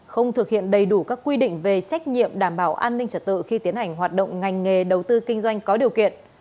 không thực hiện đầy đủ các quy định về trách nhiệm đảm bảo an ninh trật tự khi tiến hành hoạt động ngành nghề đầu tư kinh doanh có điều kiện